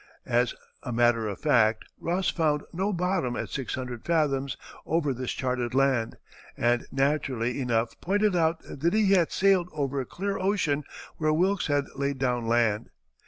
As a matter of fact, Ross found no bottom at six hundred fathoms over this charted land, and naturally enough pointed out that he had sailed over a clear ocean where Wilkes had laid down land.